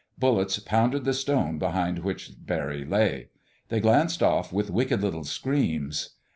Bullets pounded the stone behind which Barry lay. They glanced off with wicked little screams.